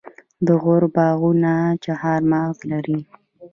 د غور باغونه چهارمغز لري.